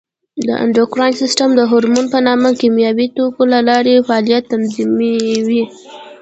د اندوکراین سیستم د هورمون په نامه کیمیاوي توکو له لارې فعالیت تنظیموي.